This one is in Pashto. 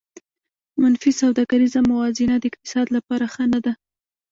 منفي سوداګریزه موازنه د اقتصاد لپاره ښه نه ده